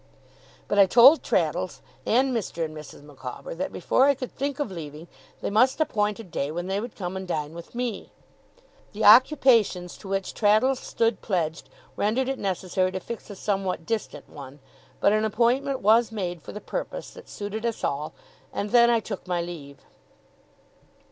But I told Traddles, and Mr. and Mrs. Micawber, that before I could think of leaving, they must appoint a day when they would come and dine with me. The occupations to which Traddles stood pledged, rendered it necessary to fix a somewhat distant one; but an appointment was made for the purpose, that suited us all, and then I took my leave.